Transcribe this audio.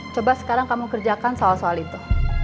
coba sekarang kamu kerjakan soal soal itu